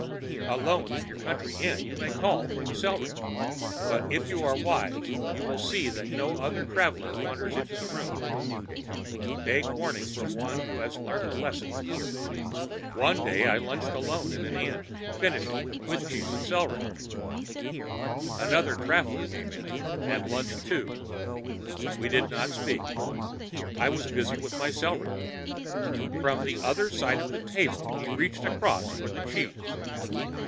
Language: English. Alone in your country inn you may call for the celery; but if you are wise you will see that no other traveler wanders into the room. Take warning from one who has learnt a lesson. One day I lunched alone at an inn, finishing with cheese and celery. Another traveler came in and lunched too. We did not speak I was busy with my celery. From the other end of the table he reached across for the cheese.